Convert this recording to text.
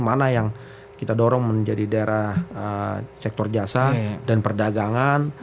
mana yang kita dorong menjadi daerah sektor jasa dan perdagangan